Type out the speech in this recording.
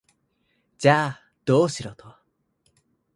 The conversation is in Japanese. じゃあ、どうしろと？